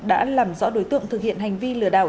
đã làm rõ đối tượng thực hiện hành vi lừa đảo